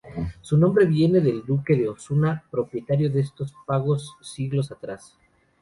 Su nombre viene por el Duque de Osuna, propietario de estos pagos siglos atrás.